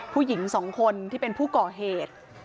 ผู้หญิงสองคนที่เป็นผู้ก่อเหตุ